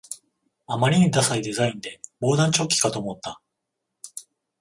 あまりにダサいデザインで防弾チョッキかと思った